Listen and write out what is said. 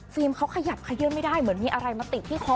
เขาขยับขยื่นไม่ได้เหมือนมีอะไรมาติดที่คอ